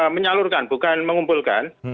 menyalurkan bukan mengumpulkan